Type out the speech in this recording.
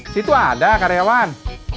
situ ada karyawan